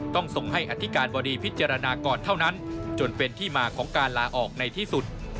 ต้องส่งให้อธิการบดีพิจารณาก่อนเท่านั้นจนเป็นที่มาของการลาออกในที่สุด